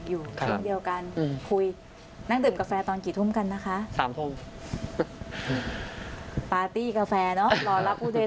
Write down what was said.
อยู่ทุกข์เดียวกันคุย